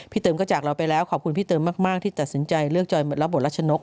เติมก็จากเราไปแล้วขอบคุณพี่เติมมากที่ตัดสินใจเลือกจอยรับบทรัชนก